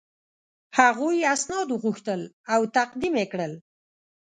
هغوی اسناد وغوښتل او تقدیم یې کړل.